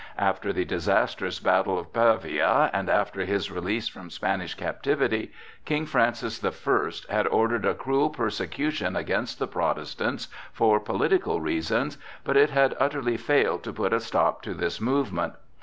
After the disastrous battle of Pavia and after his release from Spanish captivity, King Francis the First had ordered a cruel persecution against the Protestants for political reasons, but it had utterly failed to put a stop to this movement.